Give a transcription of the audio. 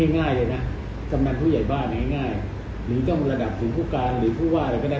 ง่ายเลยนะกำนันผู้ใหญ่บ้านง่ายหรือต้องระดับถึงผู้การหรือผู้ว่าอะไรก็ได้